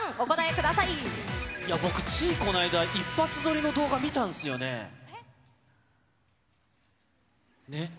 僕、ついこの間、一発撮りの動画、見たんすよね。ね？